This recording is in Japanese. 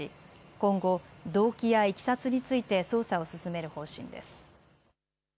今後、動機やいきさつについて捜査を進める方針です。